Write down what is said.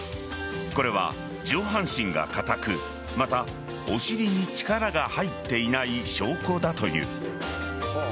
これは、上半身が硬くまた、お尻に力が入っていない証拠だという。